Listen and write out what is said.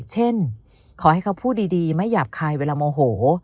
ขอให้เขาพูดดีไม่หยาบคายเวลาโมโห